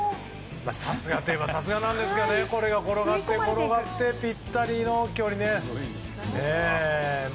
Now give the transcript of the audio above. さすがといえばさすがですがこれが転がって、転がってぴったりの距離で。